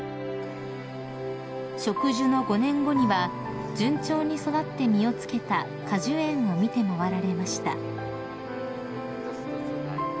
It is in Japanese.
［植樹の５年後には順調に育って実を付けた果樹園を見て回られました］